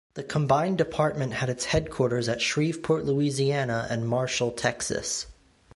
The combined department had its headquarters at Shreveport, Louisiana, and Marshall, Texas.